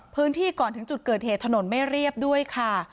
พื้นที่ก่อนถึงจุดเกิดเหตุถนนไม่เรียบด้วยค่ะ